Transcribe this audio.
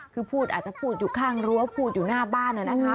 คือพูดอาจจะพูดอยู่ข้างรั้วพูดอยู่หน้าบ้านนะคะ